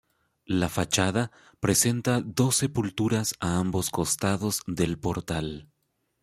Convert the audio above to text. La fachada presenta dos sepulturas a ambos costados del portal.